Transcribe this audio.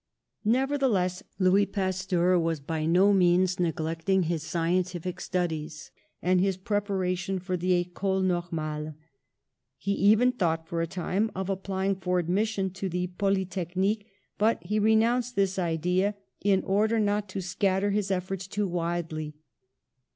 Nevertheless, Louis Pasteur was by no means neglecting his scientific studies and his prepa ration for the Ecole Normale. He even thought for a time of applying for admission to the Polytechnique, but he renounced this idea, in A STUDIOUS BOYHOOD 15 order not to scatter his efforts too widely.